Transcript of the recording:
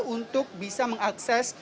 untuk bisa mengakses